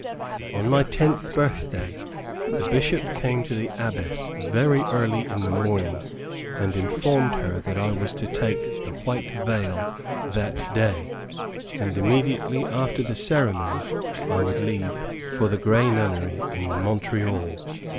On my tenth birthday, the Bishop came to the Abbess very early in the morning, and informed her that I was to take the White Veil that day, and immediately after the ceremony, I would leave for the Grey Nunnery in Montreal.